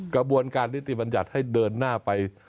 กระบวนการนิติบัญญัติให้เดินหน้าไป